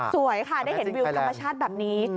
สวยค่ะได้เห็นวิวธรรมชาติแบบนี้